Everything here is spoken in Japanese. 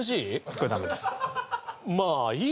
これダメです。